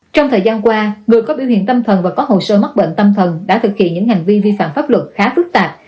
trong thời gian qua người có biểu hiện tâm thần và có hồ sơ mắc bệnh tâm thần đã thực hiện những hành vi vi phạm pháp luật khá phức tạp